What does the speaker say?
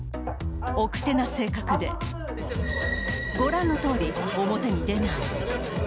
奥手な性格で、御覧のとおり表に出ない。